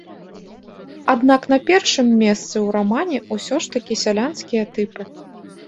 Аднак на першым месцы ў рамане ўсё ж такі сялянскія тыпы.